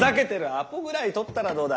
アポぐらい取ったらどうだ。